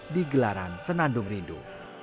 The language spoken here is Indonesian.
di gelaran senandung rindu